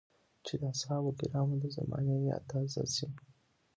چې د اصحابو کرامو د زمانې ياد تازه شي.